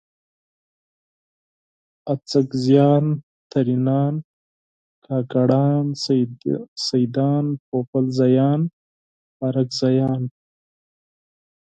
اڅکزیان، ترینان، کاکړان، سیدان ، پوپلزیان، بارکزیان